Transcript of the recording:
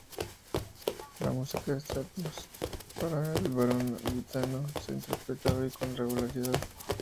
La música de Strauss para "El barón gitano" se interpreta hoy con regularidad.